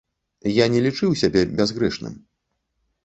Я не лічыў сябе бязгрэшным.